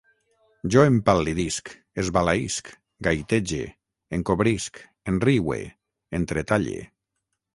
Jo empal·lidisc, esbalaïsc, gaitege, encobrisc, enriue, entretalle